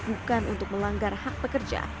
bukan untuk melanggar hak pekerja